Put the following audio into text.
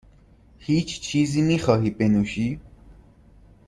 هیچ چیزی میخواهی بنوشی؟